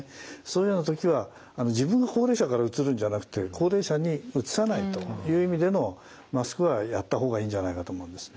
そういうような時は自分が高齢者からうつるんじゃなくて高齢者にうつさないという意味でのマスクはやった方がいいんじゃないかと思うんです。